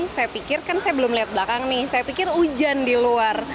saya pikir kan saya belum lihat belakang nih saya pikir hujan di luar